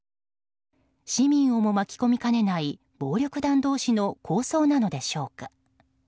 市民をも巻き込みかねない暴力団同士の抗争なのでしょうか。